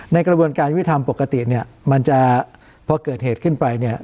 กระบวนการยุทธรรมปกติเนี่ยมันจะพอเกิดเหตุขึ้นไปเนี่ย